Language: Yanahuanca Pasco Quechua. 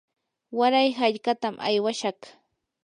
waray hallqatam aywashaq.